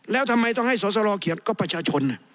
แล้วทำไมต้องให้สอสรเขียนก็ประชาชน